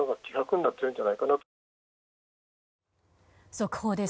速報です。